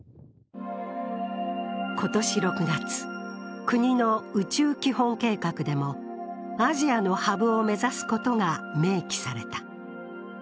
今年６月、国の宇宙基本計画でも、アジアのハブを目指すことが明記された。